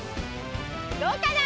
どうかな？